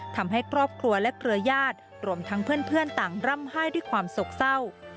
ทำให้ครอบครัวและเครือญาติรวมทั้งเพื่อนต่างร่ำไห้ด้วยความโศกเศร้า